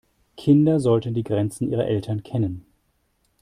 Kinder sollten die Grenzen ihrer Eltern kennen.